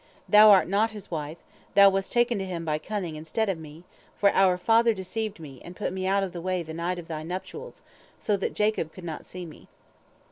Thou art not his wife, thou wast taken to him by cunning instead of me, for our father deceived me, and put me out of the way the night of thy nuptials, so that Jacob could not see me.